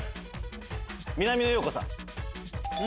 南野陽子さん。